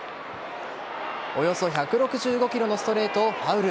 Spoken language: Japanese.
およそ１６５キロのストレートをファウル。